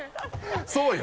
そうよ！